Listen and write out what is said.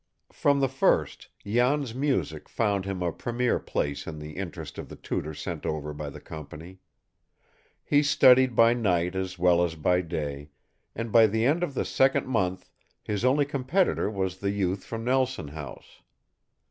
From the first, Jan's music found him a premier place in the interest of the tutor sent over by the company. He studied by night as well as by day, and by the end of the second month his only competitor was the youth from Nelson House.